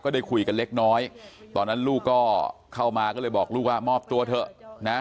ได้คุยกันเล็กน้อยตอนนั้นลูกก็เข้ามาก็เลยบอกลูกว่ามอบตัวเถอะนะ